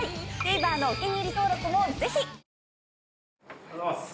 おはようございます。